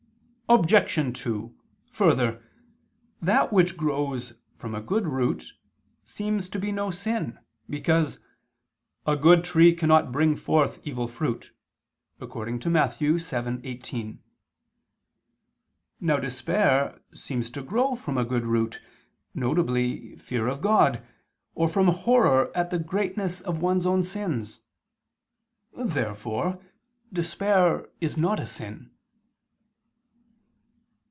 Obj. 2: Further, that which grows from a good root, seems to be no sin, because "a good tree cannot bring forth evil fruit" (Matt. 7:18). Now despair seems to grow from a good root, viz. fear of God, or from horror at the greatness of one's own sins. Therefore despair is not a sin.